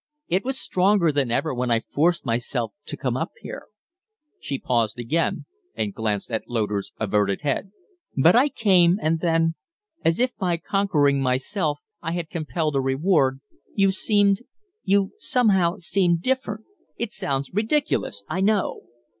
It was stronger than ever when I forced myself to come up here " She paused again, and glanced at Loder's averted head. "But I came, and then as if by conquering myself I had compelled a reward, you seemed you somehow seemed different. It sounds ridiculous, I know."